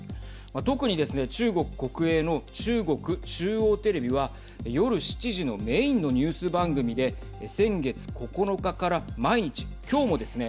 特にですね、中国国営の中国中央テレビは夜７時のメインのニュース番組で先月９日から毎日、今日もですね